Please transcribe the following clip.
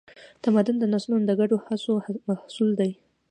تمدن د نسلونو د ګډو هڅو محصول دی.